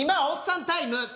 おっさんタイム？